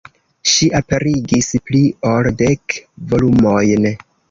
Ŝi aperigis pli ol dek volumojn.